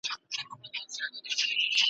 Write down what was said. را تېر سوی وي په کلیو په بانډو کي .